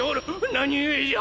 何故じゃ！